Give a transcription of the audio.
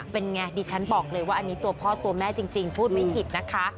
เป็นไงดิฉันบอกเลยว่าอันนี้ตัวพ่อตัวแม่จริงพูดไม่ผิดนะคะ